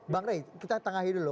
bang rey kita tengahi dulu